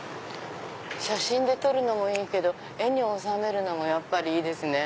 写真で撮るのもいいけど絵に収めるのもいいですね。